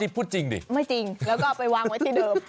พูดจริงดิไม่จริงแล้วก็เอาไปวางไว้ที่เดิม